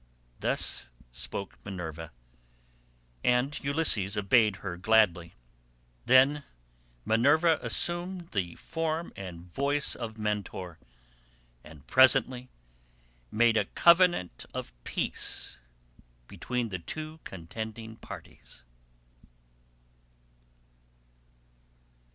Thus spoke Minerva, and Ulysses obeyed her gladly. Then Minerva assumed the form and voice of Mentor, and presently made a covenant of peace between the two contending parties.